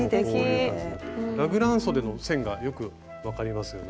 ラグランそでの線がよく分かりますよね。